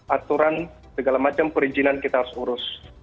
aturan segala macam perizinan kita harus urus